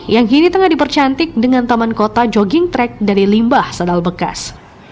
yang kini tengah dipercantik dengan taman kota jogging track dari limbah sadal bekas